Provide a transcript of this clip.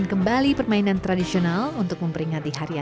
perlu lihat minat anak nih apa